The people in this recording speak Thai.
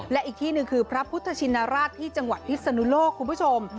และอีกที่หนึ่งคือพระพุทธชินราชที่จังหวัดพิศนุโลกคุณผู้ชม